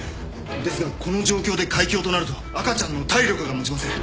ですがこの状況で開胸となると赤ちゃんの体力が持ちません。